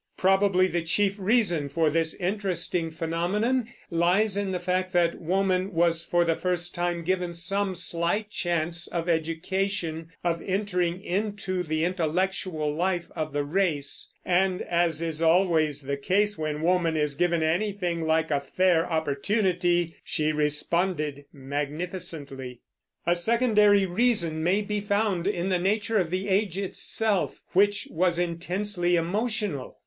Probably the chief reason for this interesting phenomenon lies in the fact that woman was for the first time given some slight chance of education, of entering into the intellectual life of the race; and as is always the case when woman is given anything like a fair opportunity she responded magnificently. A secondary reason may be found in the nature of the age itself, which was intensely emotional.